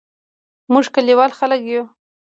موږ کلیوال خلګ یو